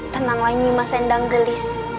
tenanglah nimas endanggelis